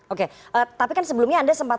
oke tapi kan sebelumnya anda sempat